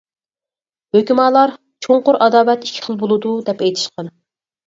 ھۆكۈمالار: «چوڭقۇر ئاداۋەت ئىككى خىل بولىدۇ» دەپ ئېيتىشقان.